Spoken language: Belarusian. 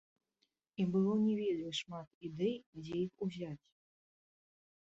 І было не вельмі шмат ідэй, дзе іх узяць.